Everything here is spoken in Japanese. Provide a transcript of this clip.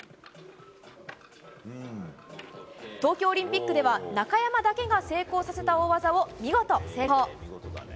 東京オリンピックでは中山だけが成功させた大技を見事成功。